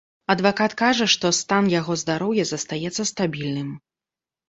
Адвакат кажа, што стан яго здароўя застаецца стабільным.